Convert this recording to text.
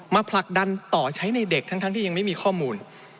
ผลักดันต่อใช้ในเด็กทั้งที่ยังไม่มีข้อมูล